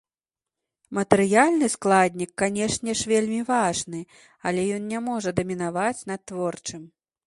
Матэрыяльны складнік, канешне ж, вельмі важны, але ён не можа дамінаваць над творчым.